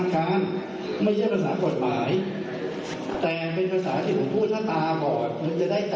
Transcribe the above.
แขนอยู่ตรงนี้